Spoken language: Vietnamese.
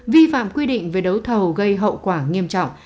vi phạm quy định về đấu thầu gây hậu quả nghiêm trọng